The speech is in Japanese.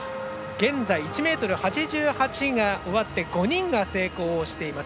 現在、１ｍ８８が終わって５人が成功をしています。